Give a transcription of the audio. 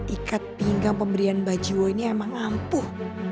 ikat pinggang pemberian baju ini emang ampuh